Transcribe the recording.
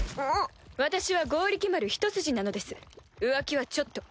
私は剛力丸ひと筋なのです浮気はちょっと。